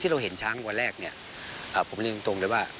ที่เราเห็นช้างวันแรกผมเรียกตรงเลยว่า